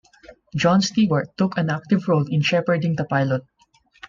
Jon Stewart took an active role in "shepherding" the pilot.